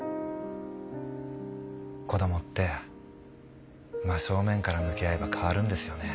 子どもって真正面から向き合えば変わるんですよね。